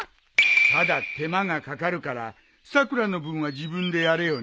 ただ手間がかかるからさくらの分は自分でやれよな。